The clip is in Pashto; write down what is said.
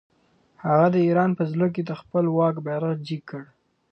هغه د ایران په زړه کې د خپل واک بیرغ جګ کړ.